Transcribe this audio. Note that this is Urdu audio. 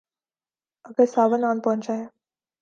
اگر ساون آن پہنچا ہے۔